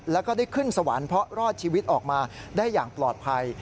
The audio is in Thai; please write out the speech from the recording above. แล้วก็ได้ขึ้นสวรรค์เพราะรอดชีวิตออกมาได้อย่างปลอดภัย